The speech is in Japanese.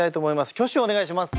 挙手をお願いします。